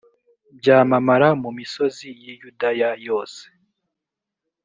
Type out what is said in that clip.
byamamara mu misozi y i yudaya yose